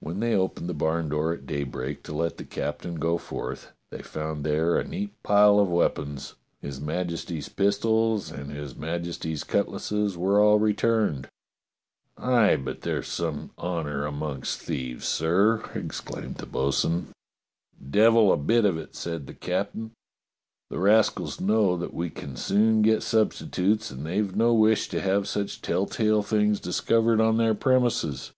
When they opened the barn door at daybreak to let the captain go forth, they found there a neat pile of weapons: his Majesty's pistols and his Majesty's cut lasses were all returned. "Aye, but there's some honour amongst thieves, sir!" exclaimed the bo'sun. "Devil a bit of it!" said the captain. "The rascals know that we can soon get substitutes, and they've no wish to have such telltale things discovered on their premises.